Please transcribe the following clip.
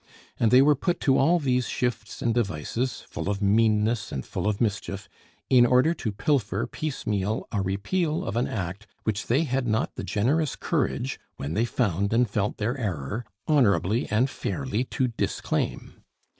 And they were put to all these shifts and devices, full of meanness and full of mischief, in order to pilfer piecemeal a repeal of an act which they had not the generous courage, when they found and felt their error, honorably and fairly to disclaim.